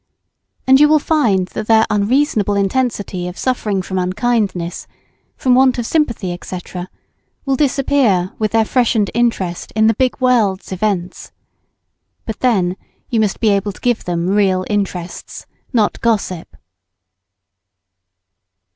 And you will find that their unreasonable intensity of suffering from unkindness, from want of sympathy, &c., will disappear with their freshened interest in the big world's events. But then you must be able to give them real interests, not gossip.